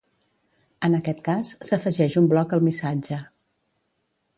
En aquest cas, s'afegeix un bloc al missatge.